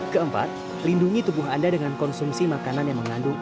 keempat lindungi tubuh anda dengan konsumsi makanan yang mengandung